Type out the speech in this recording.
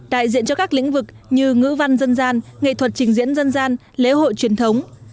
đại diện cho các lĩnh vực như ngữ văn dân gian nghệ thuật trình diễn dân gian lễ hội truyền thống